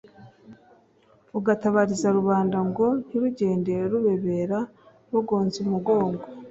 ugatabariza rubanda, Ngo ntirugende rubebera, rugonze umugongo